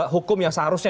hukum yang seharusnya